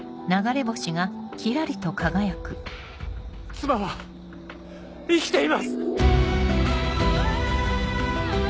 妻は生きています！